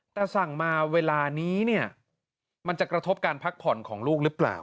แต่สั่งมาเวลานี้เนี่ยมันจะกระทบการพักผ่อนของลูกหรือเปล่า